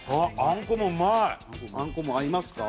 あんこも合いますか？